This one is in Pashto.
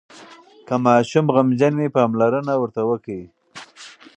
که ماشوم غمجن وي، پاملرنه ورته وکړئ.